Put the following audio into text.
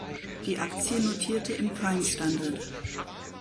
Die Aktie notierte im Prime Standard.